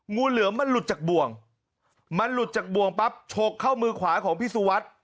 งูเหลือมมันหลุดจากบ่วงมันหลุดจากบ่วงปั๊บฉกเข้ามือขวาของพี่สุวัสดิ์